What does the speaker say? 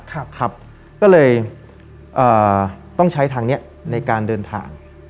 ก็เลยเอ่อต้องใช้ทางนี้ในการเดินทาง